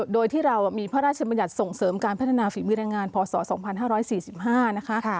โดยที่เรามีพระราชมัญญัติส่งเสริมการพัฒนาฝีมือแรงงานพศ๒๕๔๕นะคะ